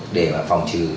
để phòng trừ